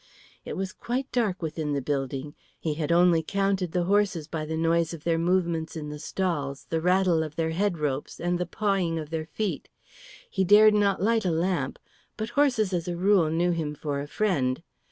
It was quite dark within the building; he had only counted the horses by the noise of their movements in their stalls, the rattle of their head ropes, and the pawing of their feet. He dared not light a lamp, but horses as a rule knew him for a friend.